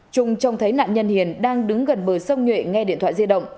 trung trông thấy nạn nhân hiền đang đứng gần bờ sông nhuệ nghe điện thoại di động